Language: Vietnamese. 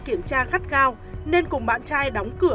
kiểm tra gắt gao nên cùng bạn trai đóng cửa